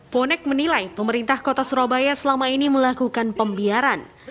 bonek menilai pemerintah kota surabaya selama ini melakukan pembiaran